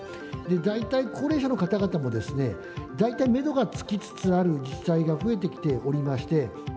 大体、高齢者の方々も、大体メドがつきつつある自治体が増えてきておりまして。